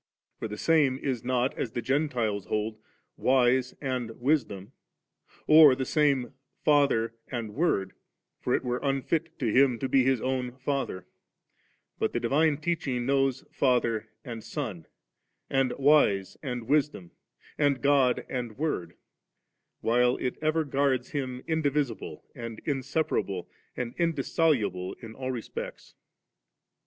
For the Same is not, as the Gentiles hold, Wise and Wisdom, or the Same Father and Word ; for it were unfit for Him to be His own Father, but the divine teaching knows Father and Son, and Wise and Wisdom, and God and Word ; while it ever guards Him indivisible and inseparable and indissoluble in all respects.